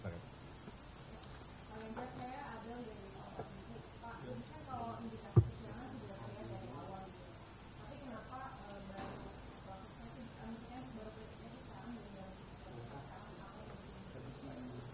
sekarang tidak ada kelepasan atau ke sepuluh lagi